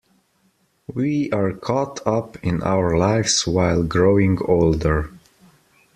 We are caught up in our lives while growing older.